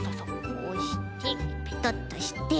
こうしてペタッとして。